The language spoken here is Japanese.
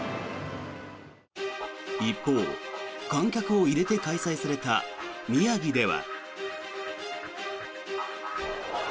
一方、観客を入れて開催された宮城では。